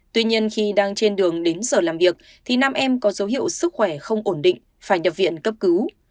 tuy nhiên khi đang trên đường đến giờ làm việc thì nam em có dấu hiệu sức khỏe không ổn định phải nhập viện cấp cứu